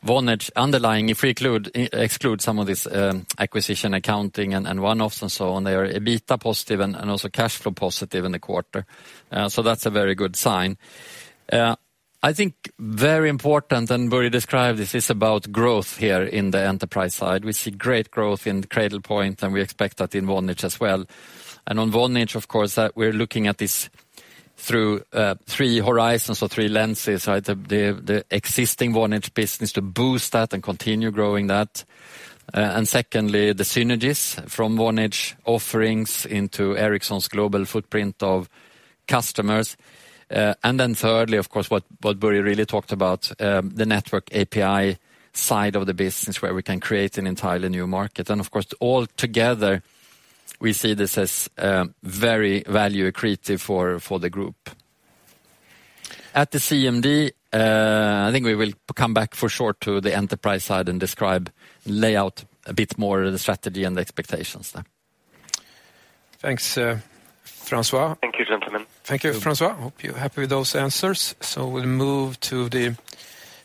Vonage underlying, if we exclude some of this acquisition accounting and one-offs and so on, they are EBITDA positive and also cash flow positive in the quarter. So that's a very good sign. I think very important, and Börje described this, is about growth here in the enterprise side. We see great growth in Cradlepoint, and we expect that in Vonage as well. On Vonage, of course, we're looking at this through three horizons or three lenses, right? The existing Vonage business to boost that and continue growing that. Secondly, the synergies from Vonage offerings into Ericsson's global footprint of customers. Thirdly, of course, what Börje really talked about, the network API side of the business where we can create an entirely new market. Of course, all together, we see this as very value accretive for the group. At the CMD, I think we will come back for sure to the enterprise side and describe, lay out a bit more of the strategy and the expectations there. Thanks, Francois. Thank you, gentlemen. Thank you, Francois. Hope you're happy with those answers. We'll move to the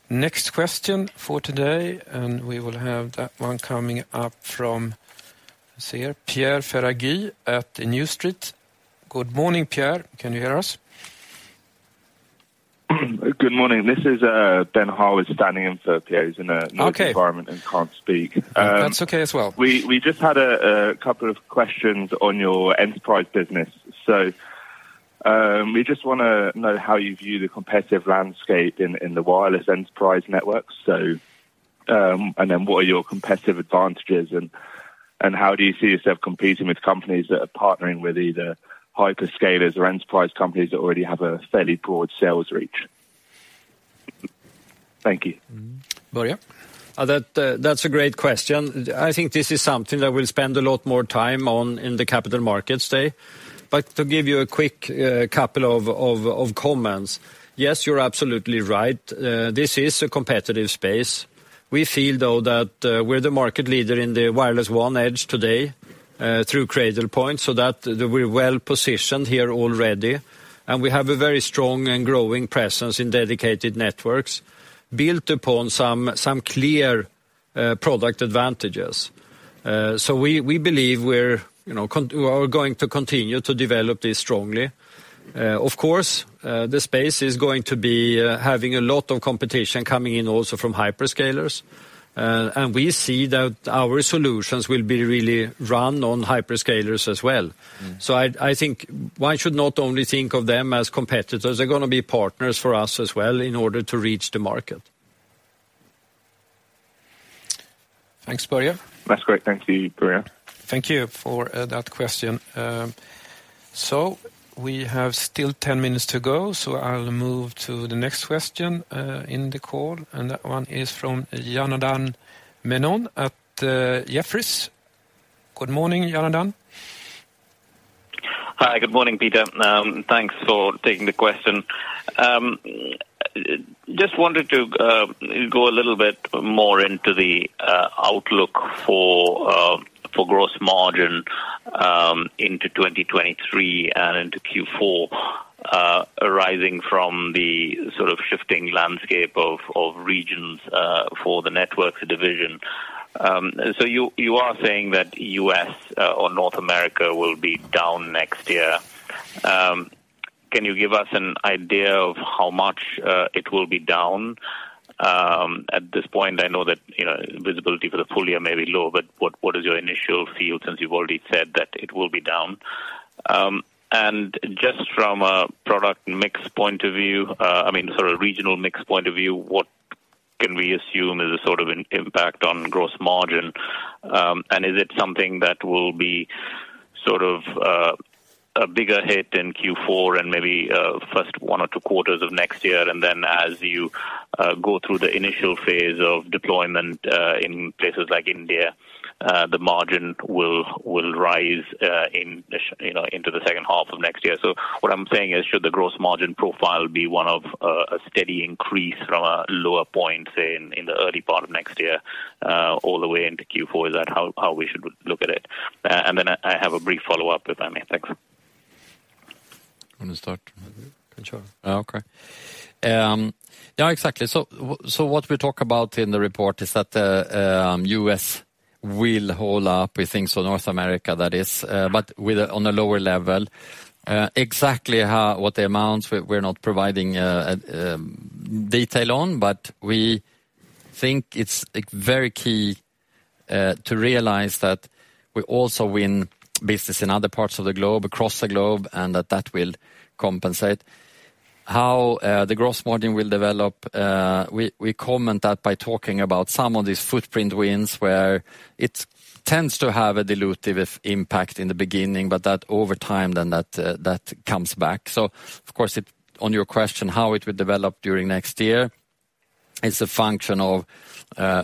next question for today, and we will have that one coming up from, let's see here, Pierre Ferragu at New Street. Good morning, Pierre. Can you hear us? Good morning. This is Ben Harwood standing in for Pierre. He's in a- Okay Noisy environment and can't speak. That's okay as well. We just had a couple of questions on your enterprise business. We just wanna know how you view the competitive landscape in the wireless enterprise network. What are your competitive advantages and how do you see yourself competing with companies that are partnering with either hyperscalers or enterprise companies that already have a fairly broad sales reach? Thank you. Börje? That's a great question. I think this is something that we'll spend a lot more time on in the Capital Markets Day. To give you a quick couple of comments, yes, you're absolutely right. This is a competitive space. We feel, though, that we're the market leader in the wireless Vonage today through Cradlepoint, so that we're well-positioned here already, and we have a very strong and growing presence in dedicated networks built upon some clear product advantages. We believe, you know, we are going to continue to develop this strongly. Of course, the space is going to be having a lot of competition coming in also from hyperscalers. We see that our solutions will be really run on hyperscalers as well. Mm. I think one should not only think of them as competitors. They're gonna be partners for us as well in order to reach the market. Thanks, Börje. That's great. Thank you, Börje. Thank you for that question. We have still 10 minutes to go, so I'll move to the next question in the call, and that one is from Janardan Menon at Jefferies. Good morning, Janardan. Hi. Good morning, Peter. Thanks for taking the question. Just wanted to go a little bit more into the outlook for gross margin into 2023 and into Q4, arising from the sort of shifting landscape of regions for the Networks division. You are saying that U.S. or North America will be down next year. Can you give us an idea of how much it will be down? At this point, I know that, you know, visibility for the full year may be low, but what is your initial feel since you've already said that it will be down? Just from a product mix point of view, I mean, sort of regional mix point of view, what can we assume is the sort of impact on gross margin? Is it something that will be sort of a bigger hit in Q4 and maybe first one or two quarters of next year, and then as you go through the initial phase of deployment in places like India, the margin will rise, you know, into the second half of next year? What I'm saying is should the gross margin profile be one of a steady increase from a lower point, say, in the early part of next year all the way into Q4? Is that how we should look at it? I have a brief follow-up if I may. Thanks. Wanna start? Mm-hmm. Sure. Okay. Yeah, exactly. What we talk about in the report is that U.S. will hold up, we think. North America, that is, but on a lower level. Exactly how what the amounts we're not providing detail on, but we think it's very key to realize that we also win business in other parts of the globe, across the globe, and that will compensate. How the gross margin will develop, we comment that by talking about some of these footprint wins where it tends to have a dilutive impact in the beginning, but that over time comes back. Of course it. On your question, how it will develop during next year, it's a function of,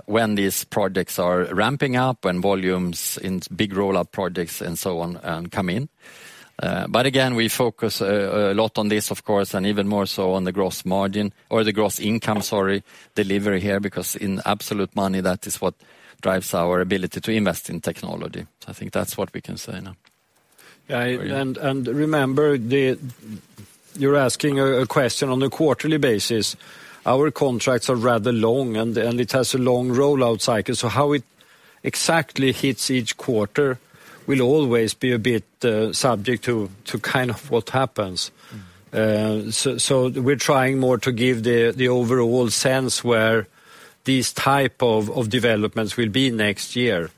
when these projects are ramping up, when volumes in big rollout projects and so on, come in. Again, we focus a lot on this of course, and even more so on the gross margin or the gross income, sorry, delivery here, because in absolute money, that is what drives our ability to invest in technology. I think that's what we can say now. Yeah. Börje. Remember, you're asking a question on a quarterly basis. Our contracts are rather long and it has a long rollout cycle. How it exactly hits each quarter will always be a bit subject to kind of what happens. Mm-hmm. We're trying more to give the overall sense where these type of developments will be next year.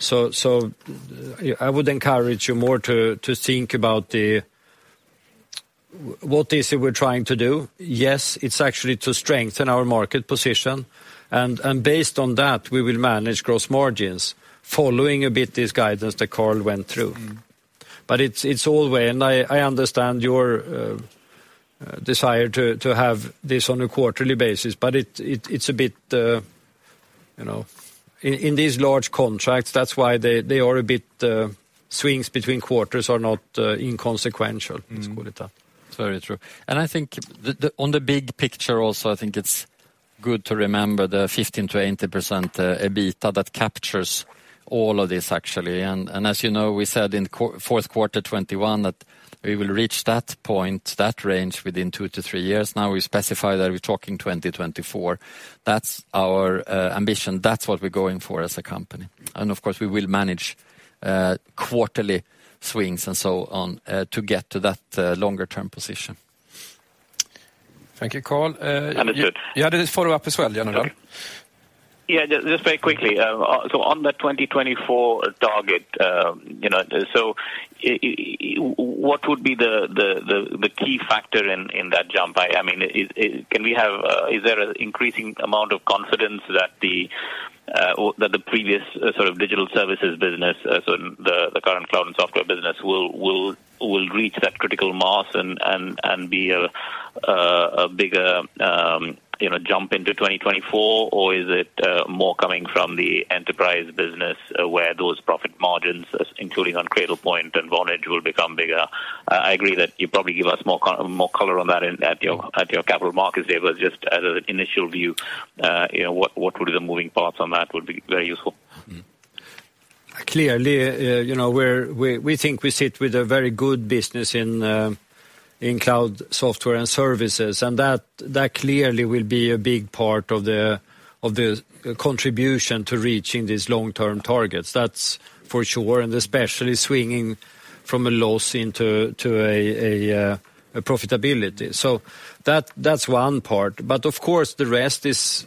Mm-hmm. I would encourage you more to think about what is it we're trying to do? Yes, it's actually to strengthen our market position. Based on that, we will manage gross margins following a bit this guidance that Carl went through. Mm-hmm. I understand your desire to have this on a quarterly basis, but it's a bit, you know. In these large contracts, that's why swings between quarters are not inconsequential. Mm-hmm. Let's put it that way. It's very true. I think on the big picture also, I think it's good to remember the 15%-80% EBITDA that captures all of this actually. As you know, we said in fourth quarter 2021 that we will reach that point, that range within two-three years. Now we specify that we're talking 2024. That's our ambition. That's what we're going for as a company. Of course, we will manage quarterly swings and so on to get to that longer-term position. Thank you, Carl. Understood. You had a follow-up as well, Janardan. Just very quickly. On the 2024 target, you know, what would be the key factor in that jump? I mean, is there an increasing amount of confidence that the previous sort of digital services business, so the current cloud and software business will reach that critical mass and be a bigger jump into 2024? Or is it more coming from the enterprise business where those profit margins, including on Cradlepoint and Vonage, will become bigger? I agree that you probably give us more color on that at your Capital Markets Day. Just as an initial view, you know, what would be the moving parts on that would be very useful. Clearly, you know, we think we sit with a very good business in Cloud Software and Services, and that clearly will be a big part of the contribution to reaching these long-term targets. That's for sure, and especially swinging from a loss into a profitability. That's one part. Of course, the rest is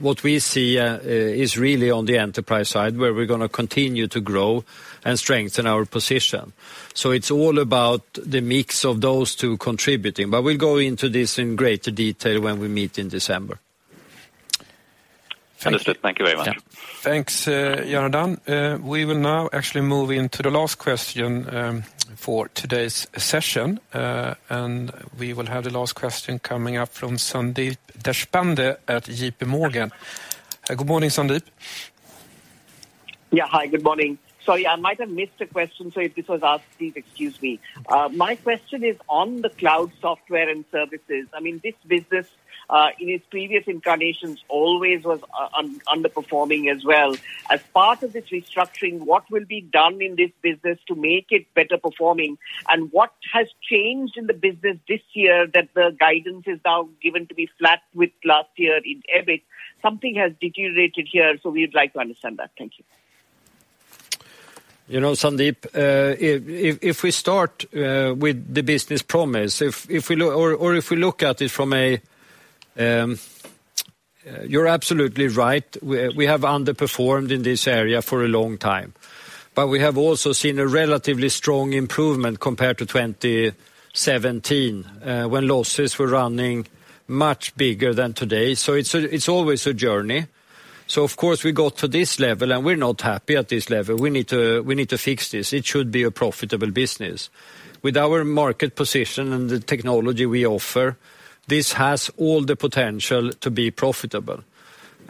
what we see is really on the Enterprise side, where we're gonna continue to grow and strengthen our position. It's all about the mix of those two contributing. We'll go into this in greater detail when we meet in December. Understood. Thank you very much. Yeah. Thanks, Janardan. We will now actually move into the last question for today's session. We will have the last question coming up from Sandeep Deshpande at JPMorgan. Good morning, Sandeep. Yeah. Hi, good morning. Sorry, I might have missed a question, so if this was asked, please excuse me. My question is on the Cloud Software and Services. I mean, this business, in its previous incarnations always was underperforming as well. As part of its restructuring, what will be done in this business to make it better performing? And what has changed in the business this year that the guidance is now given to be flat with last year in EBIT? Something has deteriorated here, so we'd like to understand that. Thank you. You know, Sandeep, if we start with the business promise, or if we look at it from a. You're absolutely right. We have underperformed in this area for a long time. We have also seen a relatively strong improvement compared to 2017, when losses were running much bigger than today. It's always a journey. Of course, we got to this level, and we're not happy at this level. We need to fix this. It should be a profitable business. With our market position and the technology we offer, this has all the potential to be profitable.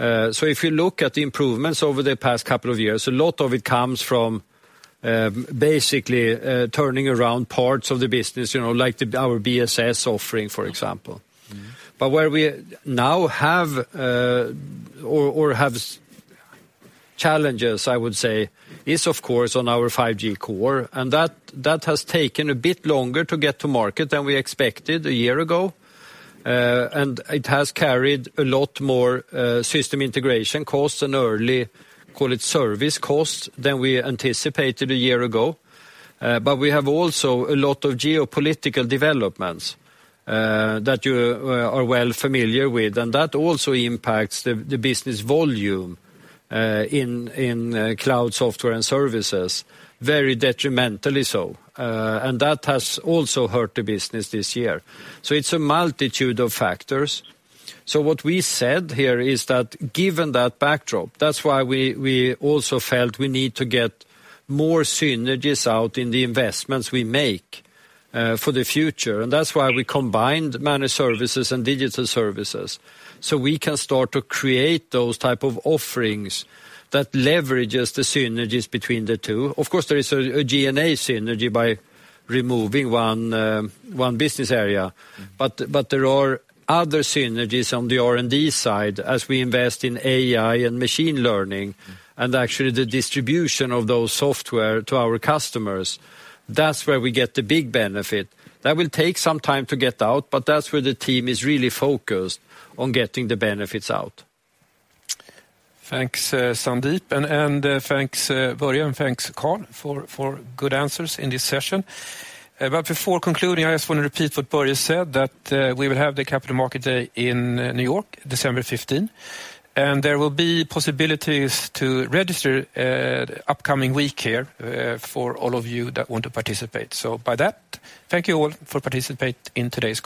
If you look at the improvements over the past couple of years, a lot of it comes from basically turning around parts of the business, you know, like our BSS offering, for example. Mm-hmm. Where we now have challenges, I would say, is of course on our 5G Core, and that has taken a bit longer to get to market than we expected a year ago. It has carried a lot more system integration costs and early, call it, service costs than we anticipated a year ago. We have also a lot of geopolitical developments that you are well familiar with, and that also impacts the business volume in Cloud Software and Services, very detrimentally so. That has also hurt the business this year. It's a multitude of factors. What we said here is that given that backdrop, that's why we also felt we need to get more synergies out in the investments we make for the future. That's why we combined managed services and digital services, so we can start to create those type of offerings that leverages the synergies between the two. Of course, there is a G&A synergy by removing one business area. Mm-hmm. There are other synergies on the R&D side as we invest in AI and machine learning. Mm-hmm. Actually, the distribution of those software to our customers, that's where we get the big benefit. That will take some time to get out, but that's where the team is really focused on getting the benefits out. Thanks, Sandeep, and thanks, Börje, and thanks, Carl, for good answers in this session. Before concluding, I just wanna repeat what Börje said that we will have the Capital Markets Day in New York, December fifteenth. There will be possibilities to register upcoming week here for all of you that want to participate. By that, thank you all for participating in today's call.